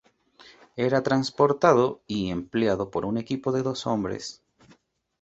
Era transportado y empleado por un equipo de dos hombres.